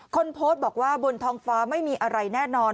คนโพสต์บอกว่าบนท้องฟ้าไม่มีอะไรแน่นอน